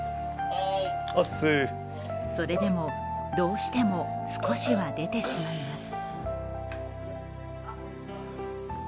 それでもどうしても少しは出てしまいます。